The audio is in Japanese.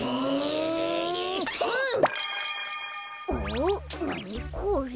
おなにこれ？